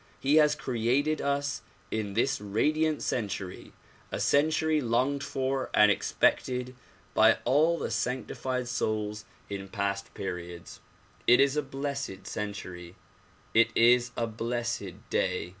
He has created us in this radiant century, a century longed for and expected by all the sanctified souls in past periods. It is a blessed century; it is a blessed day.